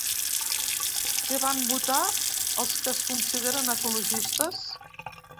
Què van votar els que es consideren ecologistes?